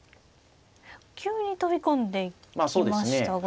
急に飛び込んでいきましたが。